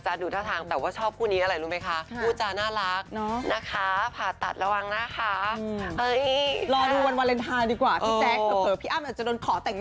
จะได้คุกเข่าแล้วก็สวมแหวนพี่อ้ำได้